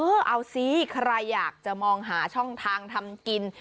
เออเอาสิใครอยากจะมองหาช่องทางทำกิน